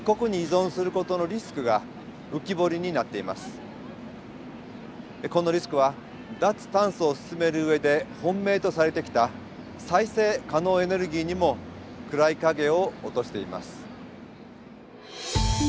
このリスクは脱炭素を進める上で本命とされてきた再生可能エネルギーにも暗い影を落としています。